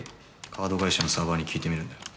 カード会社のサーバーに聞いてみるんだよ。